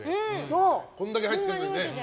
こんだけ入ってるのにね。